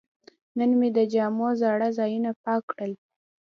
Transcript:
نن مې د جامو زاړه ځایونه پاک کړل.